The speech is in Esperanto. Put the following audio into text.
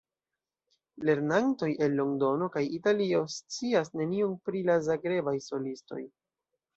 Lernantoj el Londono kaj Italio scias nenion pri la Zagrebaj solistoj.